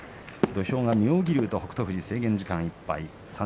土俵上の妙義龍、北勝富士制限時間いっぱいです。